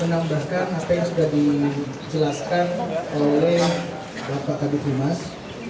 menambahkan apa yang sudah dijelaskan oleh pak kabupat rimas